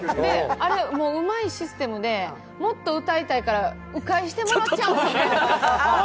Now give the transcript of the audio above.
あれ、うまいシステムで、もっと歌いたいからう回してもらっちゃう。